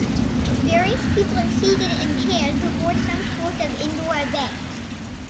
Various people are seated in chairs before some sort of indoor event.